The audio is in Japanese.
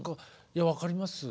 いや分かります。